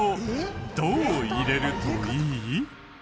どう入れるといい？